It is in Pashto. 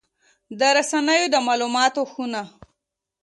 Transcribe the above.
د رسنیو د مالوماتو خونه